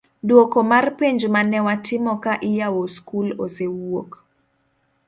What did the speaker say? duoko mar penj manewatimo ka iyawo skul osewuok